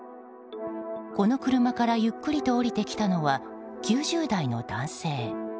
この車からゆっくりと降りてきたのは９０代の男性。